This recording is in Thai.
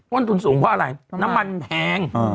ว่าตัวสูงเพราะอะไรน้ำมันแพง